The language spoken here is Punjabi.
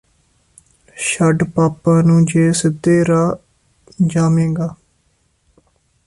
ਛੱਡ ਪਾਪਾਂ ਨੂੰ ਜੇ ਸਿੱਧੇ ਰਾਹ ਜਾਵੇਂਗਾ